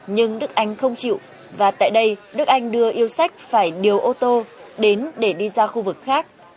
nhưng đức anh không chịu và tại đây đức anh đưa yêu sách phải điều ô tô đến để đi ra khu vực khác